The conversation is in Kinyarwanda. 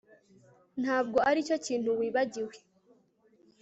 ntabwo aricyo kintu wibagiwe